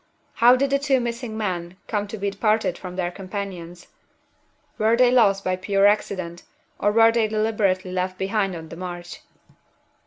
How did the two missing men come to be parted from their companions? Were they lost by pure accident, or were they deliberately left behind on the march?"